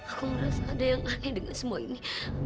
aku merasa ada yang aneh dengan semua ini